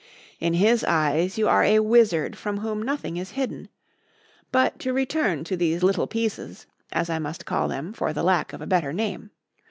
In his eyes you are a wizard from whom nothing is hidden. But to return to these little pieces, as I must call them, for the lack of a better name.